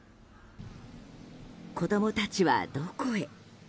子供たちは、どこへ？